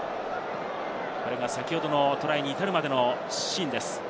これが先ほどのトライに至るまでのシーンです。